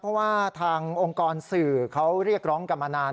เพราะว่าทางองค์กรสื่อเขาเรียกร้องกันมานาน